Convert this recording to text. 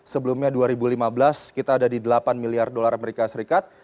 sebelumnya dua ribu lima belas kita ada di delapan miliar dolar amerika serikat